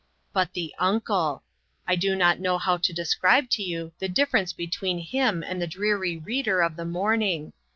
But the uncle ! I do not know how to describe to you the difference between him and the dreary reader of the morning